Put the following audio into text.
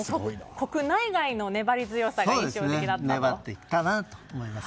国内外の粘り強さが印象的だったと。